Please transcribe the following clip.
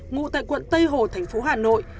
ngụ tại quận tây hồ thành phố hà nội